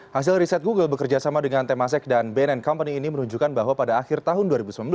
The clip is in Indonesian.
hasil riset google bekerja sama dengan temasek dan bnn company ini menunjukkan bahwa pada akhir tahun dua ribu sembilan belas